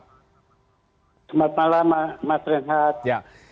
selamat malam mas renhat